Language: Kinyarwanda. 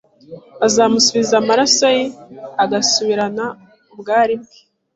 azamusubiza amaraso ye agasubirana ubwari bwe